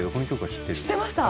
知ってました。